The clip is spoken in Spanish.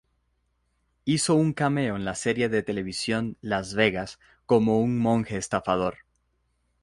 Hizo un cameo en la serie de televisión "Las Vegas" como un monje estafador.